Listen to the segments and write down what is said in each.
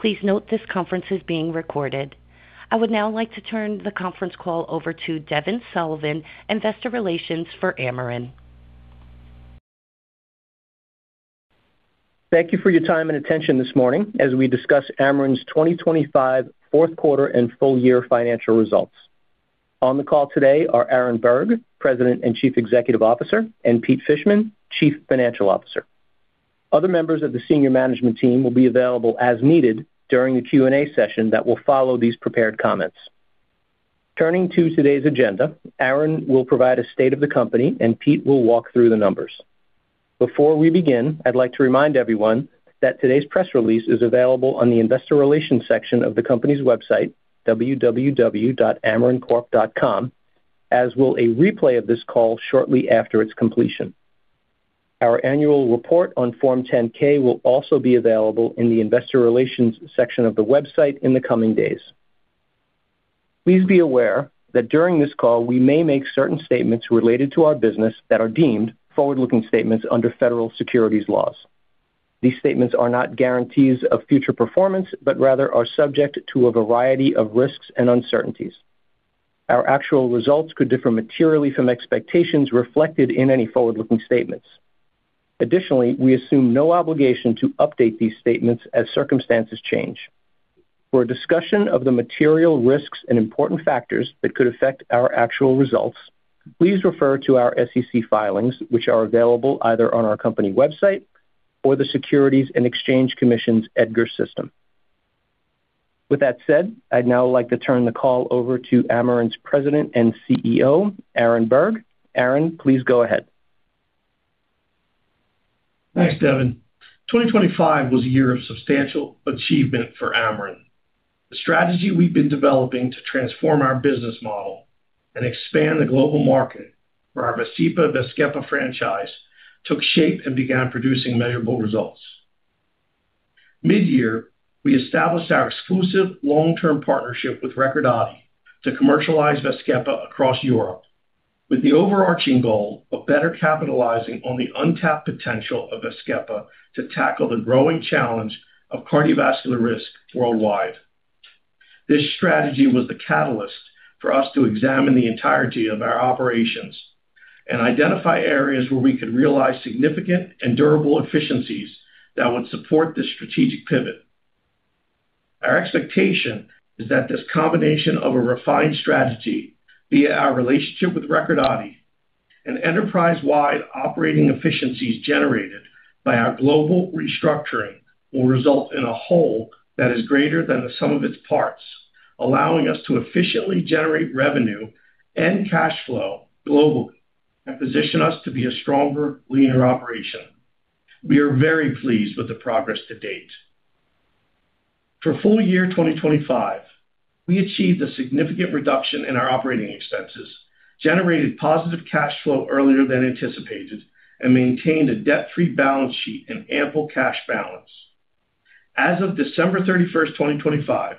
Please note this conference is being recorded. I would now like to turn the conference call over to Devin Sullivan, Investor Relations for Amarin. Thank you for your time and attention this morning as we discuss Amarin's 2025 fourth quarter and full year financial results. On the call today are Aaron Berg, President and Chief Executive Officer, and Peter Fishman, Chief Financial Officer. Other members of the senior management team will be available as needed during the Q&A session that will follow these prepared comments. Turning to today's agenda, Aaron will provide a state of the company. Peter will walk through the numbers. Before we begin, I'd like to remind everyone that today's press release is available on the Investor Relations section of the company's website, www.amarincorp.com, as will a replay of this call shortly after its completion. Our annual report on Form 10-K will also be available in the Investor Relations section of the website in the coming days. Please be aware that during this call, we may make certain statements related to our business that are deemed forward-looking statements under federal securities laws. These statements are not guarantees of future performance, but rather are subject to a variety of risks and uncertainties. Our actual results could differ materially from expectations reflected in any forward-looking statements. Additionally, we assume no obligation to update these statements as circumstances change. For a discussion of the material risks and important factors that could affect our actual results, please refer to our SEC filings, which are available either on our company website or the Securities and Exchange Commission's EDGAR system. With that said, I'd now like to turn the call over to Amarin's President and CEO, Aaron Berg. Aaron, please go ahead. Thanks, Devin. 2025 was a year of substantial achievement for Amarin. The strategy we've been developing to transform our business model and expand the global market for our VASCEPA/VAZKEPA franchise took shape and began producing measurable results. Mid-year, we established our exclusive long-term partnership with Recordati to commercialize VAZKEPA across Europe, with the overarching goal of better capitalizing on the untapped potential of VAZKEPA to tackle the growing challenge of cardiovascular risk worldwide. This strategy was the catalyst for us to examine the entirety of our operations and identify areas where we could realize significant and durable efficiencies that would support this strategic pivot. Our expectation is that this combination of a refined strategy via our relationship with Recordati and enterprise-wide operating efficiencies generated by our global restructuring will result in a whole that is greater than the sum of its parts, allowing us to efficiently generate revenue and cash flow globally and position us to be a stronger, leaner operation. We are very pleased with the progress to date. For full year 2025, we achieved a significant reduction in our operating expenses, generated positive cash flow earlier than anticipated, and maintained a debt-free balance sheet and ample cash balance. As of December 31st, 2025,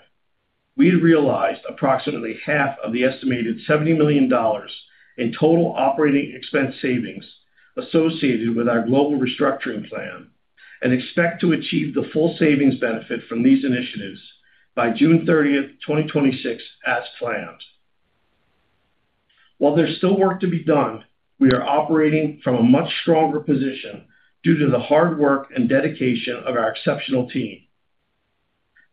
we had realized approximately half of the estimated $70 million in total operating expense savings associated with our global restructuring plan and expect to achieve the full savings benefit from these initiatives by June 30th, 2026, as planned. While there's still work to be done, we are operating from a much stronger position due to the hard work and dedication of our exceptional team.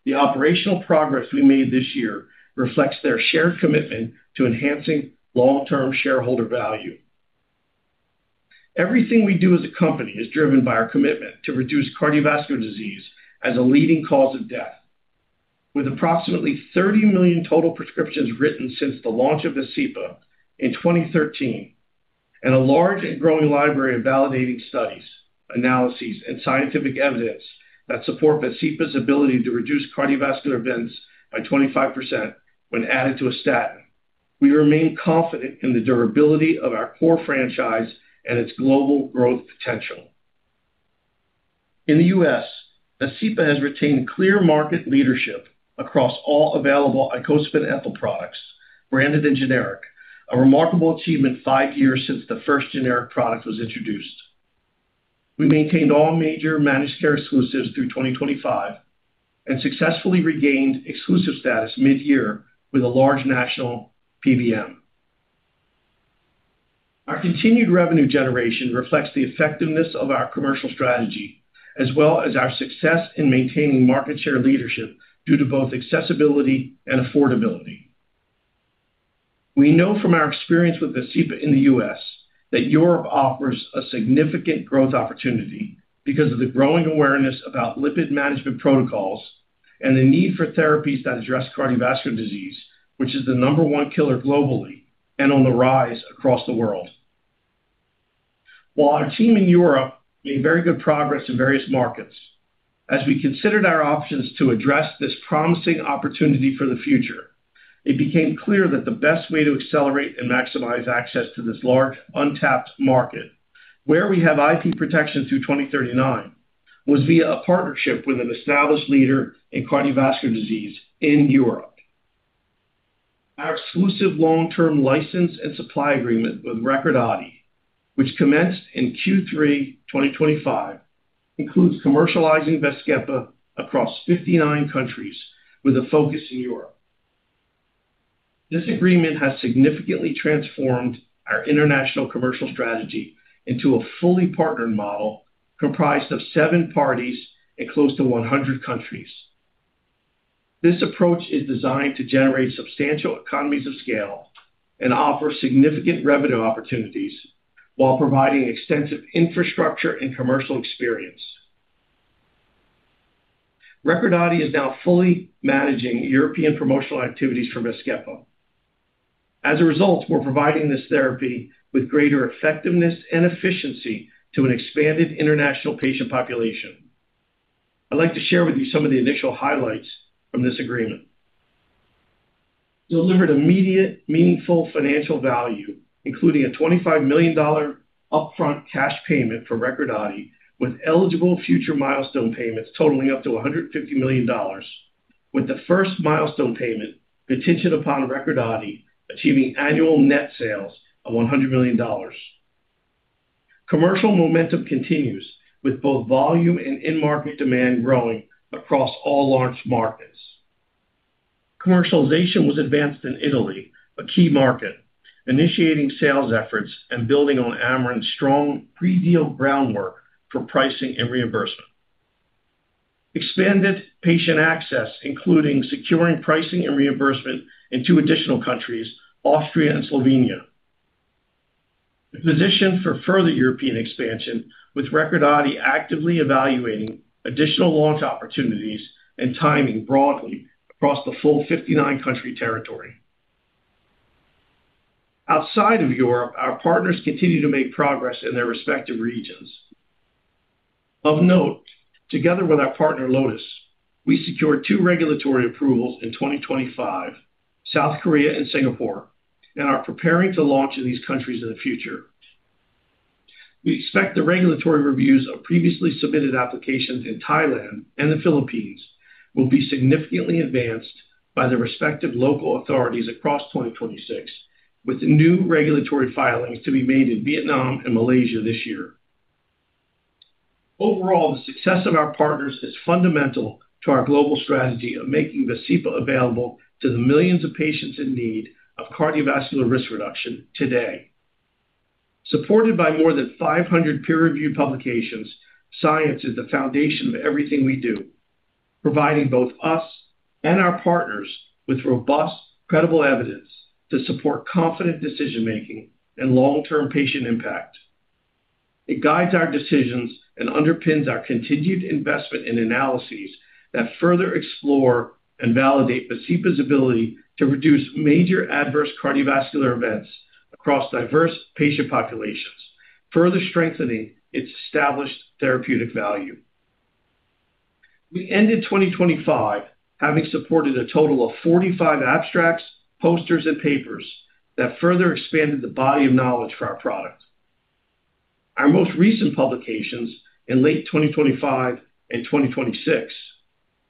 The operational progress we made this year reflects their shared commitment to enhancing long-term shareholder value. Everything we do as a company is driven by our commitment to reduce cardiovascular disease as a leading cause of death. With approximately 30 million total prescriptions written since the launch of VASCEPA in 2013 and a large and growing library of validating studies, analyses, and scientific evidence that support VASCEPA's ability to reduce cardiovascular events by 25% when added to a statin, we remain confident in the durability of our core franchise and its global growth potential. In the U.S., VASCEPA has retained clear market leadership across all available icosapent ethyl products, branded and generic, a remarkable achievement five years since the first generic product was introduced. We maintained all major managed care exclusives through 2025 and successfully regained exclusive status mid-year with a large national PBM. Our continued revenue generation reflects the effectiveness of our commercial strategy, as well as our success in maintaining market share leadership due to both accessibility and affordability. We know from our experience with VASCEPA in the U.S., that Europe offers a significant growth opportunity because of the growing awareness about lipid management protocols and the need for therapies that address cardiovascular disease, which is the number one killer globally and on the rise across the world. While our team in Europe made very good progress in various markets, as we considered our options to address this promising opportunity for the future, it became clear that the best way to accelerate and maximize access to this large, untapped market, where we have IP protection through 2039, was via a partnership with an established leader in cardiovascular disease in Europe. Our exclusive long-term license and supply agreement with Recordati, which commenced in Q3 2025, includes commercializing VASCEPA across 59 countries, with a focus in Europe. This agreement has significantly transformed our international commercial strategy into a fully partnered model comprised of seven parties in close to 100 countries. This approach is designed to generate substantial economies of scale and offer significant revenue opportunities while providing extensive infrastructure and commercial experience. Recordati is now fully managing European promotional activities for VASCEPA. As a result, we're providing this therapy with greater effectiveness and efficiency to an expanded international patient population. I'd like to share with you some of the initial highlights from this agreement. Delivered immediate, meaningful financial value, including a $25 million upfront cash payment from Recordati, with eligible future milestone payments totaling up to $150 million, with the first milestone payment contingent upon Recordati achieving annual net sales of $100 million. Commercial momentum continues, with both volume and in-market demand growing across all launch markets. Commercialization was advanced in Italy, a key market, initiating sales efforts and building on Amarin's strong pre-deal groundwork for pricing and reimbursement. Expanded patient access, including securing pricing and reimbursement in two additional countries, Austria and Slovenia. The position for further European expansion, with Recordati actively evaluating additional launch opportunities and timing broadly across the full 59 country territory. Outside of Europe, our partners continue to make progress in their respective regions. Of note, together with our partner, Lotus, we secured 2 regulatory approvals in 2025, South Korea and Singapore, and are preparing to launch in these countries in the future. We expect the regulatory reviews of previously submitted applications in Thailand and the Philippines will be significantly advanced by the respective local authorities across 2026, with new regulatory filings to be made in Vietnam and Malaysia this year. Overall, the success of our partners is fundamental to our global strategy of making VASCEPA available to the millions of patients in need of cardiovascular risk reduction today. Supported by more than 500 peer-reviewed publications, science is the foundation of everything we do, providing both us and our partners with robust, credible evidence to support confident decision-making and long-term patient impact. It guides our decisions and underpins our continued investment in analyses that further explore and validate VASCEPA's ability to reduce major adverse cardiovascular events across diverse patient populations, further strengthening its established therapeutic value. We ended 2025 having supported a total of 45 abstracts, posters, and papers that further expanded the body of knowledge for our product. Our most recent publications in late 2025 and 2026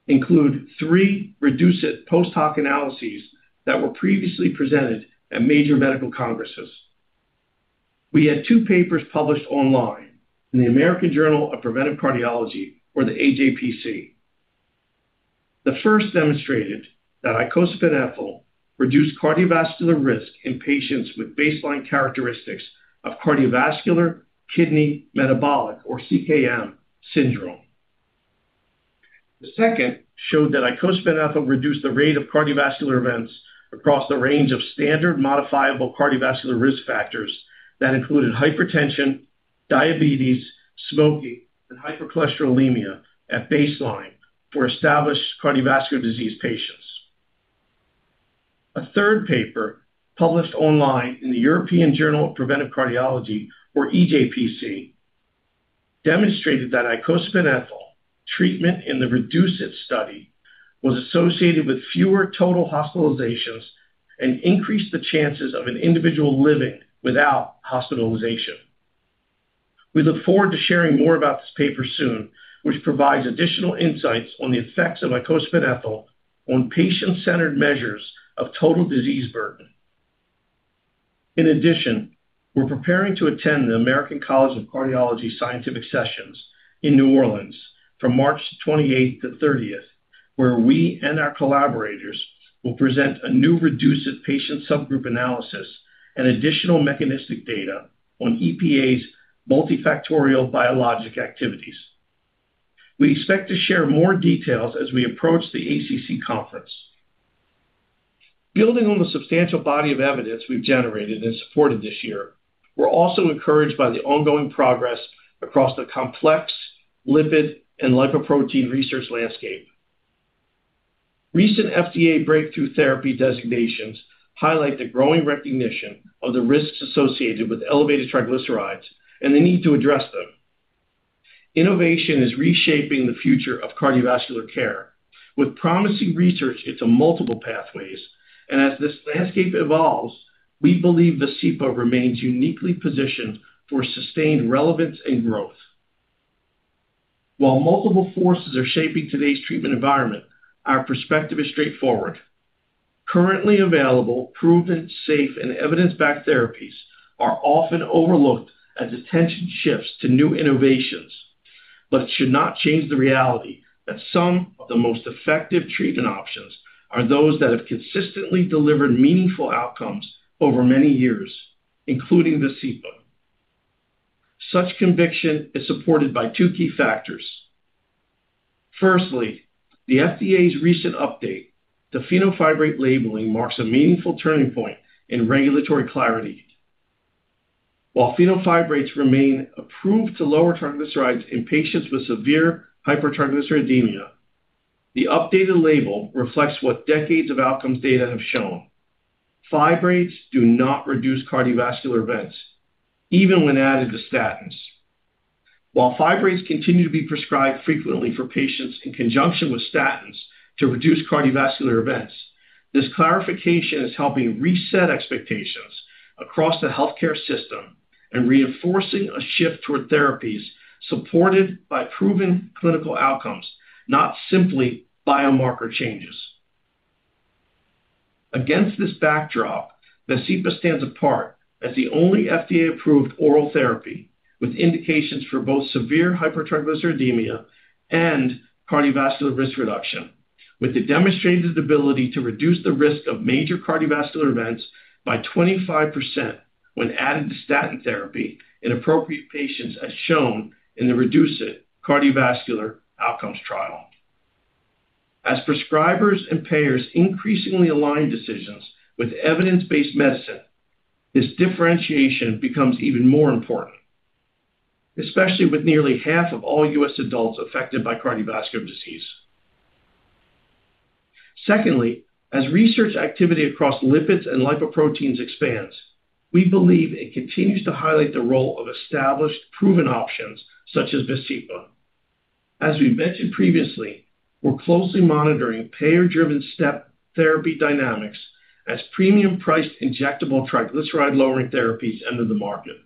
include 3 REDUCE-IT post-hoc analyses that were previously presented at major medical congresses. We had 2 papers published online in the American Journal of Preventive Cardiology or the AJPC. The first demonstrated that icosapent ethyl reduced cardiovascular risk in patients with baseline characteristics of Cardiovascular-Kidney-Metabolic, or CKM syndrome. The second showed that icosapent ethyl reduced the rate of cardiovascular events across the range of standard modifiable cardiovascular risk factors that included hypertension, diabetes, smoking, and hypercholesterolemia at baseline for established cardiovascular disease patients. A third paper, published online in the European Journal of Preventive Cardiology or EJPC, demonstrated that icosapent ethyl treatment in the REDUCE-IT study was associated with fewer total hospitalizations and increased the chances of an individual living without hospitalization. We look forward to sharing more about this paper soon, which provides additional insights on the effects of icosapent ethyl on patient-centered measures of total disease burden. In addition, we're preparing to attend the American College of Cardiology Scientific Sessions in New Orleans from March 28th to 30th, where we and our collaborators will present a new REDUCE-IT patient subgroup analysis and additional mechanistic data on EPA's multifactorial biologic activities. We expect to share more details as we approach the ACC conference. Building on the substantial body of evidence we've generated and supported this year, we're also encouraged by the ongoing progress across the complex lipid and lipoprotein research landscape. Recent FDA breakthrough therapy designations highlight the growing recognition of the risks associated with elevated triglycerides and the need to address them. Innovation is reshaping the future of cardiovascular care. With promising research into multiple pathways, and as this landscape evolves, we believe VASCEPA remains uniquely positioned for sustained relevance and growth.... While multiple forces are shaping today's treatment environment, our perspective is straightforward. Currently available, proven, safe, and evidence-backed therapies are often overlooked as attention shifts to new innovations, but should not change the reality that some of the most effective treatment options are those that have consistently delivered meaningful outcomes over many years, including VASCEPA. Such conviction is supported by two key factors. Firstly, the FDA's recent update to fenofibrate labeling marks a meaningful turning point in regulatory clarity. While fenofibrates remain approved to lower triglycerides in patients with severe hypertriglyceridemia, the updated label reflects what decades of outcomes data have shown. Fibrates do not reduce cardiovascular events, even when added to statins. While fibrates continue to be prescribed frequently for patients in conjunction with statins to reduce cardiovascular events, this clarification is helping reset expectations across the healthcare system and reinforcing a shift toward therapies supported by proven clinical outcomes, not simply biomarker changes. Against this backdrop, VASCEPA stands apart as the only FDA-approved oral therapy with indications for both severe hypertriglyceridemia and cardiovascular risk reduction, with the demonstrated ability to reduce the risk of major cardiovascular events by 25% when added to statin therapy in appropriate patients, as shown in the REDUCE-IT cardiovascular outcomes trial. As prescribers and payers increasingly align decisions with evidence-based medicine, this differentiation becomes even more important, especially with nearly half of all U.S. adults affected by cardiovascular disease. Secondly, as research activity across lipids and lipoproteins expands, we believe it continues to highlight the role of established, proven options such as VASCEPA. As we mentioned previously, we're closely monitoring payer-driven step therapy dynamics as premium-priced injectable triglyceride-lowering therapies enter the market.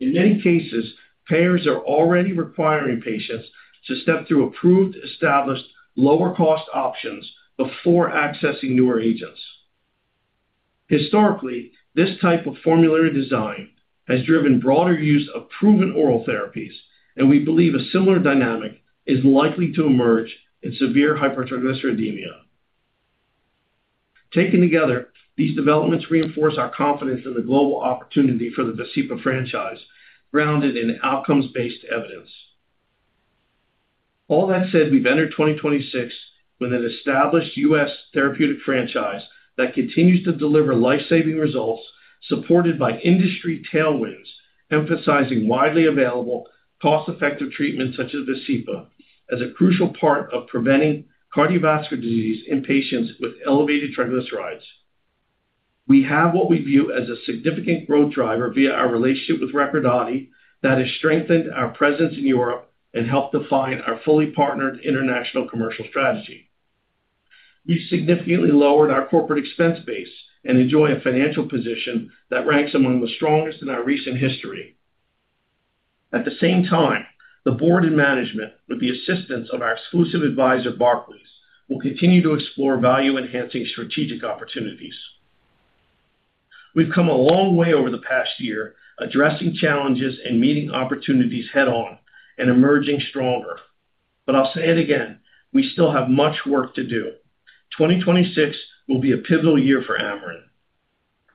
In many cases, payers are already requiring patients to step through approved, established, lower-cost options before accessing newer agents. Historically, this type of formulary design has driven broader use of proven oral therapies, and we believe a similar dynamic is likely to emerge in severe hypertriglyceridemia. Taken together, these developments reinforce our confidence in the global opportunity for the VASCEPA franchise, grounded in outcomes-based evidence. All that said, we've entered 2026 with an established U.S. therapeutic franchise that continues to deliver life-saving results, supported by industry tailwinds, emphasizing widely available, cost-effective treatments such as VASCEPA, as a crucial part of preventing cardiovascular disease in patients with elevated triglycerides. We have what we view as a significant growth driver via our relationship with Recordati that has strengthened our presence in Europe and helped define our fully partnered international commercial strategy. We've significantly lowered our corporate expense base and enjoy a financial position that ranks among the strongest in our recent history. At the same time, the board and management, with the assistance of our exclusive advisor, Barclays, will continue to explore value-enhancing strategic opportunities. We've come a long way over the past year, addressing challenges and meeting opportunities head-on and emerging stronger. I'll say it again, we still have much work to do. 2026 will be a pivotal year for Amarin,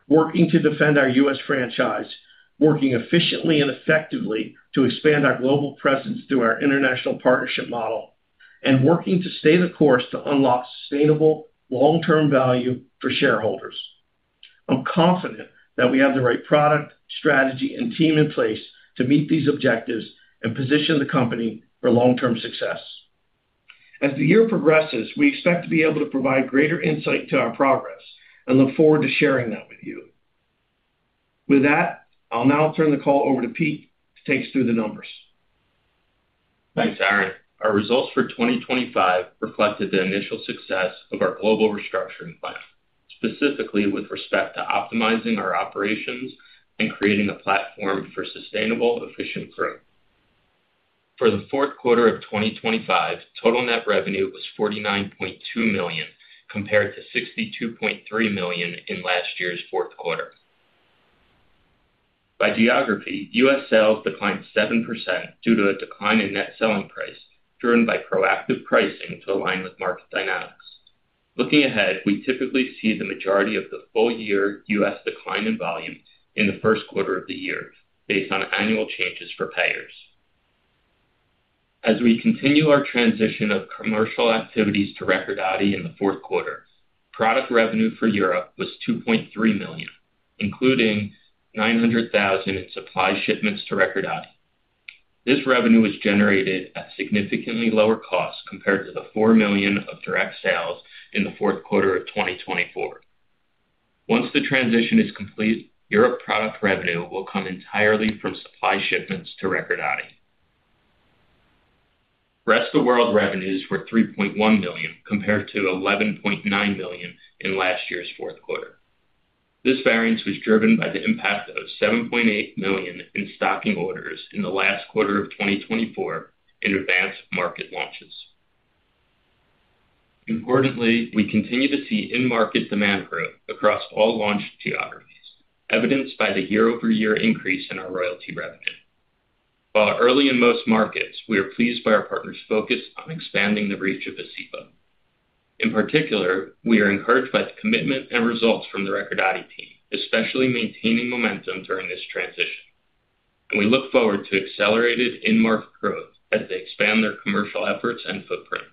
working to defend our U.S. franchise, working efficiently and effectively to expand our global presence through our international partnership model, and working to stay the course to unlock sustainable long-term value for shareholders. I'm confident that we have the right product, strategy, and team in place to meet these objectives and position the company for long-term success. As the year progresses, we expect to be able to provide greater insight to our progress and look forward to sharing that with you. With that, I'll now turn the call over to Pete to take us through the numbers. Thanks, Aaron. Our results for 2025 reflected the initial success of our global restructuring plan, specifically with respect to optimizing our operations and creating a platform for sustainable, efficient growth. For the fourth quarter of 2025, total net revenue was $49.2 million, compared to $62.3 million in last year's fourth quarter. By geography, U.S. sales declined 7% due to a decline in net selling price, driven by proactive pricing to align with market dynamics. Looking ahead, we typically see the majority of the full-year U.S. decline in volume in the first quarter of the year, based on annual changes for payers. As we continue our transition of commercial activities to Recordati in the fourth quarter, product revenue for Europe was $2.3 million, including $900,000 in supply shipments to Recordati. This revenue was generated at significantly lower costs compared to the $4 million of direct sales in the fourth quarter of 2024. Once the transition is complete, Europe product revenue will come entirely from supply shipments to Recordati. Rest of World revenues were $3.1 million, compared to $11.9 million in last year's fourth quarter. This variance was driven by the impact of $7.8 million in stocking orders in the last quarter of 2024 in advanced market launches. Importantly, we continue to see in-market demand growth across all launched geographies, evidenced by the year-over-year increase in our royalty revenue. While early in most markets, we are pleased by our partners' focus on expanding the reach of Asypha. In particular, we are encouraged by the commitment and results from the Recordati team, especially maintaining momentum during this transition. We look forward to accelerated in-market growth as they expand their commercial efforts and footprint.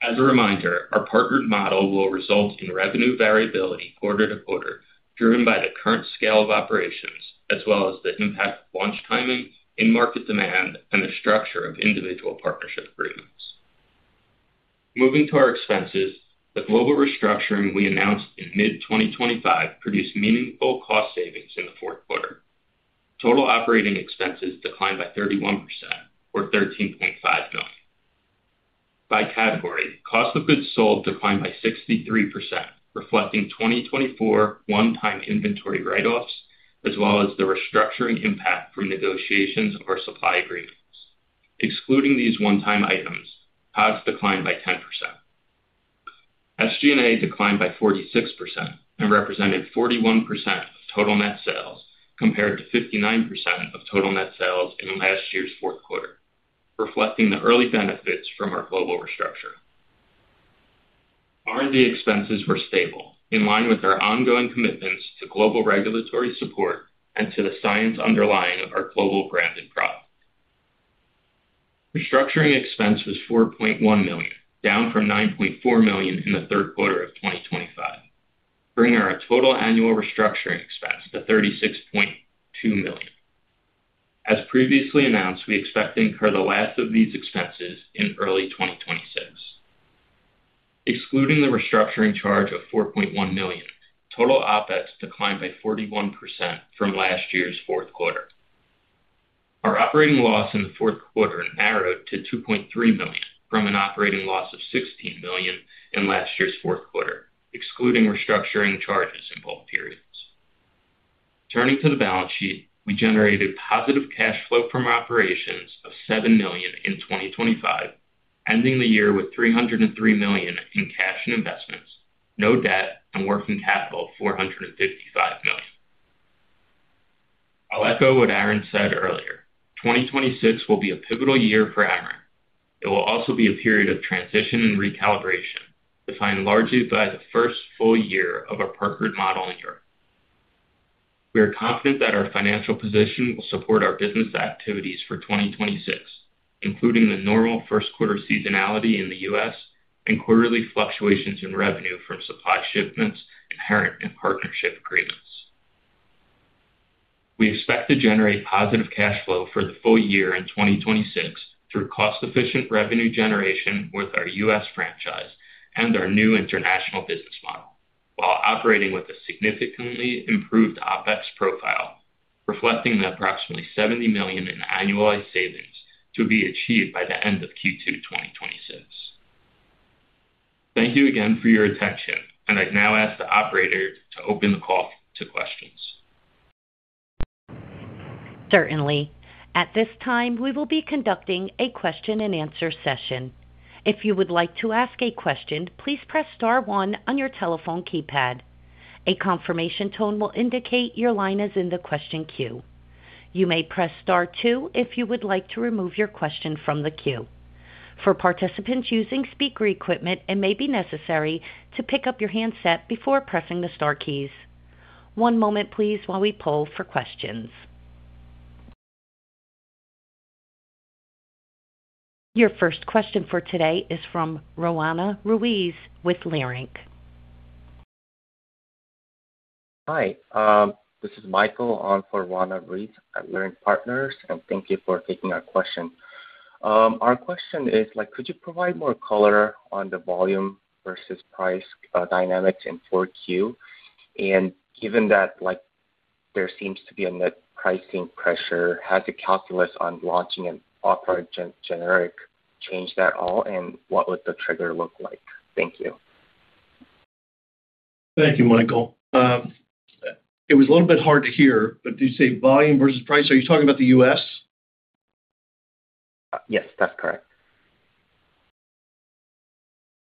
As a reminder, our partnered model will result in revenue variability quarter-to-quarter, driven by the current scale of operations as well as the impact of launch timing, in-market demand, and the structure of individual partnership agreements. Moving to our expenses, the global restructuring we announced in mid-2025 produced meaningful cost savings in the fourth quarter. Total operating expenses declined by 31%, or $13.5 million. By category, cost of goods sold declined by 63%, reflecting 2024 one-time inventory write-offs, as well as the restructuring impact from negotiations of our supply agreements. Excluding these one-time items, COGS declined by 10%. SG&A declined by 46% and represented 41% of total net sales, compared to 59% of total net sales in last year's fourth quarter, reflecting the early benefits from our global restructure. R&D expenses were stable, in line with our ongoing commitments to global regulatory support and to the science underlying our global branded products. Restructuring expense was $4.1 million, down from $9.4 million in the third quarter of 2025, bringing our total annual restructuring expense to $36.2 million. As previously announced, we expect to incur the last of these expenses in early 2026. Excluding the restructuring charge of $4.1 million, total OpEx declined by 41% from last year's fourth quarter. Our operating loss in the fourth quarter narrowed to $2.3 million from an operating loss of $16 million in last year's fourth quarter, excluding restructuring charges in both periods. Turning to the balance sheet, we generated positive cash flow from operations of $7 million in 2025, ending the year with $303 million in cash and investments, no debt, and working capital of $455 million. I'll echo what Aaron said earlier. 2026 will be a pivotal year for Amarin. It will also be a period of transition and recalibration, defined largely by the first full year of our partnered model in Europe. We are confident that our financial position will support our business activities for 2026, including the normal first quarter seasonality in the U.S. and quarterly fluctuations in revenue from supply shipments inherent in partnership agreements. We expect to generate positive cash flow for the full year in 2026 through cost-efficient revenue generation with our U.S. franchise and our new international business model, while operating with a significantly improved OpEx profile, reflecting the approximately $70 million in annualized savings to be achieved by the end of Q2 2026. Thank you again for your attention, I'd now ask the operator to open the call to questions. Certainly. At this time, we will be conducting a question-and-answer session. If you would like to ask a question, please press star one on your telephone keypad. A confirmation tone will indicate your line is in the question queue. You may press star two if you would like to remove your question from the queue. For participants using speaker equipment, it may be necessary to pick up your handset before pressing the star keys. One moment, please, while we poll for questions. Your first question for today is from Roanna Ruiz with Leerink. Hi, this is Michael on for Roanna Ruiz at Leerink Partners. Thank you for taking our question. Our question is, like, could you provide more color on the volume versus price dynamics in 4Q? Given that, like, there seems to be a net pricing pressure, has the calculus on launching an off-brand gen-generic changed at all, and what would the trigger look like? Thank you, Michael. It was a little bit hard to hear, did you say volume versus price? Are you talking about the U.S.? Yes, that's correct.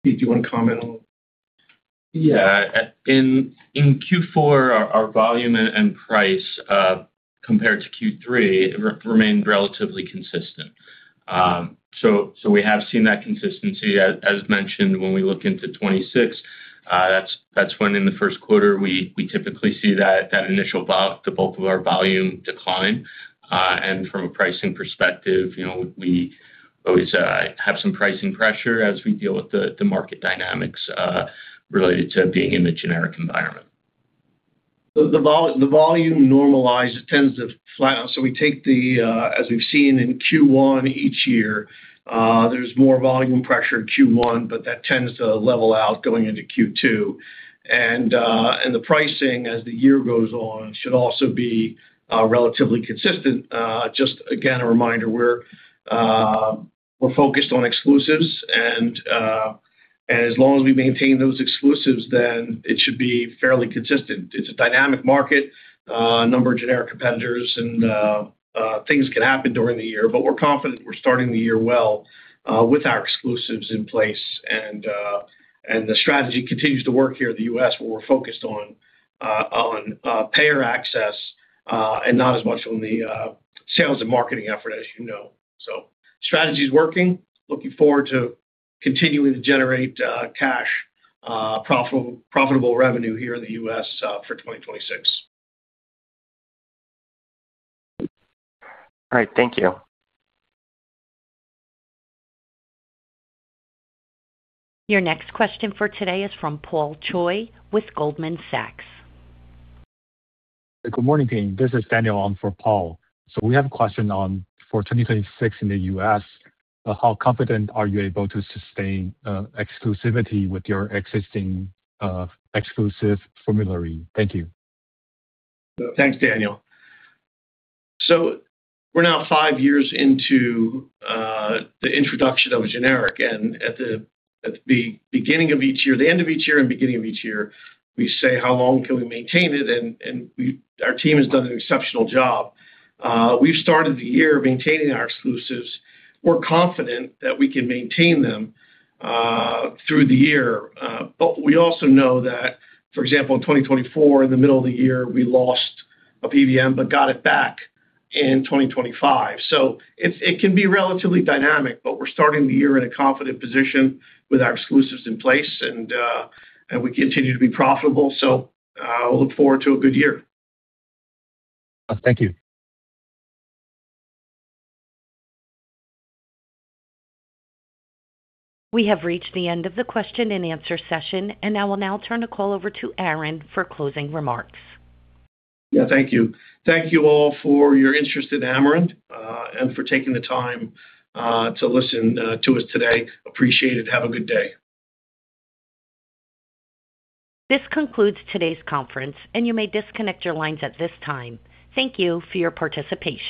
Peter, do you want to comment on? Yeah. In Q4, our volume and price, compared to Q3, remained relatively consistent. We have seen that consistency. As mentioned, when we look into 2026, that's when in the first quarter we typically see that initial bump, the bulk of our volume decline. From a pricing perspective, you know, we always have some pricing pressure as we deal with the market dynamics related to being in the generic environment. The volume normalized tends to flat out. We take the, as we've seen in Q1 each year, there's more volume pressure in Q1, but that tends to level out going into Q2. The pricing, as the year goes on, should also be relatively consistent. Just again, a reminder, we're focused on exclusives. As long as we maintain those exclusives, then it should be fairly consistent. It's a dynamic market, a number of generic competitors, and things can happen during the year, but we're confident we're starting the year well, with our exclusives in place. The strategy continues to work here in the U.S., where we're focused on payer access, and not as much on the sales and marketing effort, as you know. Strategy's working. Looking forward to continuing to generate, cash, profitable revenue here in the U.S., for 2026. All right. Thank you. Your next question for today is from Paul Choi with Goldman Sachs. Good morning, team. This is Daniel on for Paul. We have a question on, for 2026 in the U.S., how confident are you able to sustain exclusivity with your existing exclusive formulary? Thank you. Thanks, Daniel. We're now five years into the introduction of a generic, at the end of each year and beginning of each year, we say: how long can we maintain it? Our team has done an exceptional job. We've started the year maintaining our exclusives. We're confident that we can maintain them through the year. We also know that, for example, in 2024, in the middle of the year, we lost a PBM, but got it back in 2025. It can be relatively dynamic, but we're starting the year in a confident position with our exclusives in place, and we continue to be profitable, so we look forward to a good year. Thank you. We have reached the end of the question and answer session. I will now turn the call over to Aaron for closing remarks. Yeah, thank you. Thank you all for your interest in Amarin, and for taking the time to listen to us today. Appreciate it. Have a good day. This concludes today's conference. You may disconnect your lines at this time. Thank you for your participation.